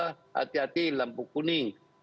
hati hati lampu kuning